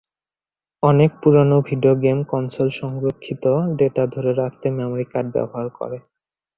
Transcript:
অনেক পুরানো video game console সংরক্ষিত ডেটা ধরে রাখতে মেমরি কার্ড ব্যবহার করে।